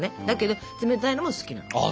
だけど冷たいのも好きなの。